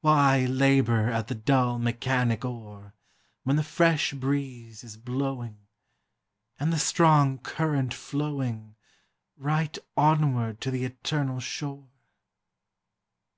Why labor at the dull mechanic oar, When the fresh breeze is blowing, And the strong current flowing, Right onward to the Eternal Shore?